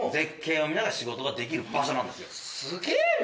すげぇな。